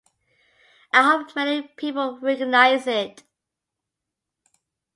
I hope many people recognize it.